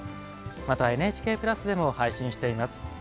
またＮＨＫ＋でも配信しています。